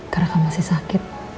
karena kamu masih sakit